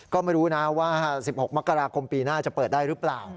ก็ไม่รู้นะว่า๑๖มกราคมปีหน้าจะเปิดได้หรือเปล่า